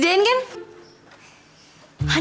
udah disediain kan